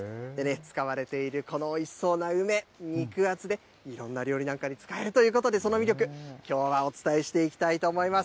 使われているこのおいしそうな梅、肉厚で、いろんな料理なんかに使えるということで、その魅力、きょうはお伝えしていきたいと思います。